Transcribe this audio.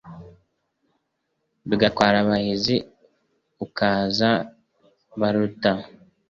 Bigatwara abahizi ukaza baruta.